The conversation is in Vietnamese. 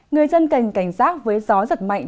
người dân cảnh cảnh giác với gió giật mạnh